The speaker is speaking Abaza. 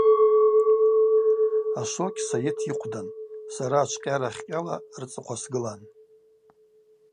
Ашвокь Сайыт йыхъвдан, сара ачвкъьара ахькӏьала рцӏыхъва сгылан.